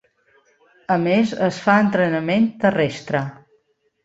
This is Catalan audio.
A més es fa entrenament terrestre.